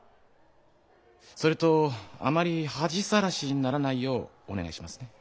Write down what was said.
それとあまり恥さらしにならないようお願いしますね。